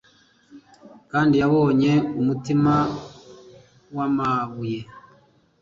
Kandi yabonye umutima wamabuye